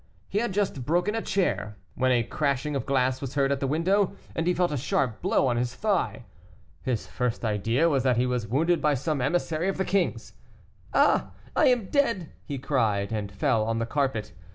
He had just broken a chair, when a crashing of glass was heard at the window, and he felt a sharp blow on his thigh. His first idea was that he was wounded by some emissary of the king's. "Ah! I am dead!" he cried, and fell on the carpet.